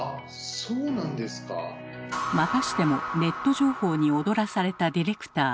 またしてもネット情報に踊らされたディレクター。